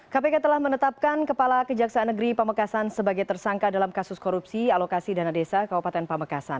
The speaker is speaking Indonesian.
kpk telah menetapkan kepala kejaksaan negeri pamekasan sebagai tersangka dalam kasus korupsi alokasi dana desa kabupaten pamekasan